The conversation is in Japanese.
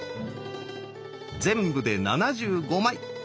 全部で７５枚。